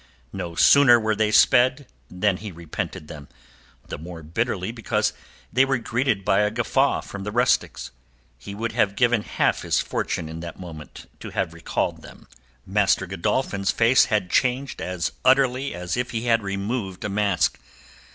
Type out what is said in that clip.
No sooner were they sped than he repented them, the more bitterly because they were greeted by a guffaw from the rustics. He would have given half his fortune in that moment to have recalled them. Master Godolphin's face had changed as utterly as if he had removed a mask.